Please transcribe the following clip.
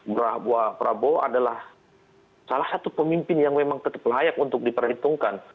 bahwa prabowo adalah salah satu pemimpin yang memang tetap layak untuk diperhitungkan